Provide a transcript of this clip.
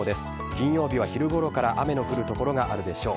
金曜日は昼ごろから雨の降る所があるでしょう。